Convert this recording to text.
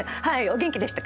元気でした。